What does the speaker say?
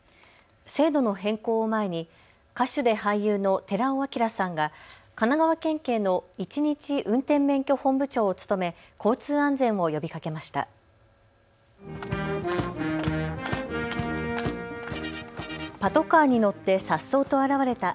制度の変更を前に歌手で俳優の寺尾聰さんが神奈川県警の１日運転免許本部長を務め交通安全を呼びかけました。